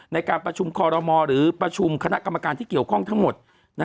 ในการประชุมคอรมอหรือประชุมคณะกรรมการที่เกี่ยวข้องทั้งหมด